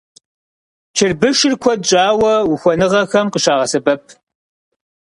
Чырбышыр куэд щӀауэ ухуэныгъэхэм къыщагъэсэбэп.